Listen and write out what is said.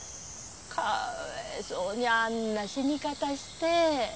可哀想にあんな死に方して。